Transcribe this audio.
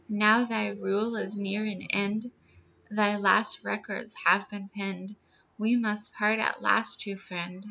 Now thy rule is near an end, Thy last records have been penned, We must part at last, true friend.